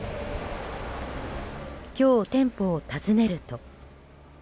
今日、店舗を訪ねると。